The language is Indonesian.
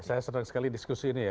saya senang sekali diskusi ini ya